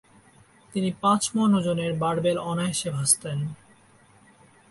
তিনি পাঁচ মণ ওজনের বারবেল অনায়াসে ভাঁজতেন।